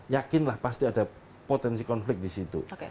yakinlah pasti ada potensi konflik di situ